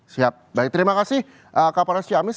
siap baik terima kasih kak pak rasci amis